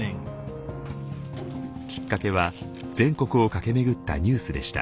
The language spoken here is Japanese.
きっかけは全国を駆け巡ったニュースでした。